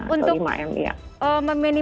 untuk meminimalisir resiko